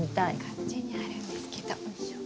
こっちにあるんですけど。